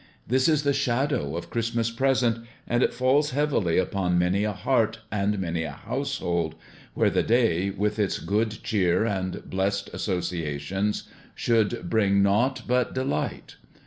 This is the Shadow of Christmas Present, and it falls heavily upon many a heart and many a household, where the day, with its good cheer and blessed associations, should bring naught but delight."